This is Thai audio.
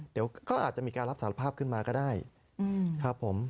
เดี๋ยวก็อาจจะมีการรับสารภาพขึ้นมาก็ได้ครับผม